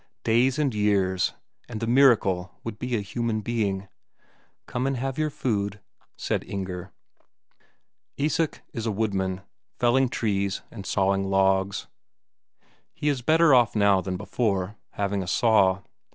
Days and years, and the miracle would be a human being. "Come and have your food," said Inger.... Isak is a woodman, felling trees and sawing logs. He is better off now than before, having a saw.